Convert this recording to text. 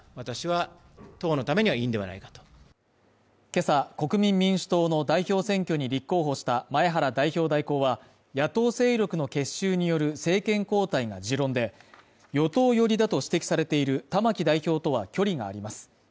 今朝、国民民主党の代表選挙に立候補した前原代表代行は野党勢力の結集による政権交代が持論で与党寄りだと指摘されている玉木代表とは距離があります